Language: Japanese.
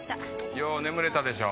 よう眠れたでしょ？